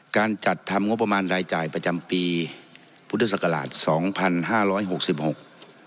การจัดทำงบประมาณรายจ่ายประจำปีพุทธศักราชสองพันห้าร้อยหกสิบหก